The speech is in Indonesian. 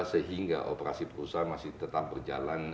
sehingga operasi perusahaan masih tetap berjalan